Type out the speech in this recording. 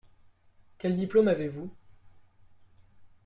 Quel diplôme avez-vous ?